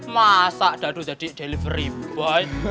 masa dadu jadi delivery boy